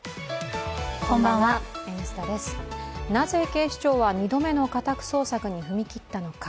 なぜ警視庁は二度目の家宅捜索に踏み切ったのか。